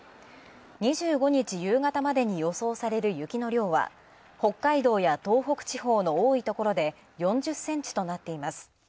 ２５日夕方までに予想される雪の量は北海道や東北地方の多いところで４０ｃｍとなっています。